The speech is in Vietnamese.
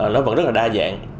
nó vẫn rất là đa dạng